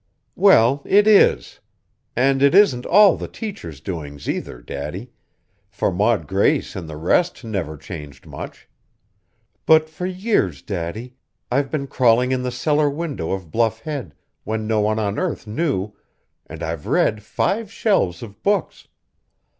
"Well, it is. And it isn't all the teachers' doings either, Daddy, for Maud Grace and the rest never changed much; but for years, Daddy, I've been crawling in the cellar window of Bluff Head, when no one on earth knew, and I've read five shelves of books!